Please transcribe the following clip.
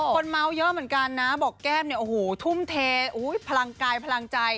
คนเมาส์เยอะเหมือนกันนะบอกแก้มเนี่ยโอ้โหทุ่มเทพลังกายพลังใจ